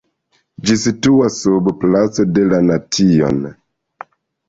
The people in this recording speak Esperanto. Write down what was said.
Ĝi situas sub Placo de la Nation.